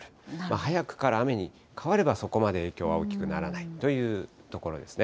早くから雨に変われば、そこまで影響は大きくならないというところですね。